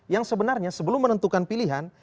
yang sebenarnya sebelum menentukan pilihan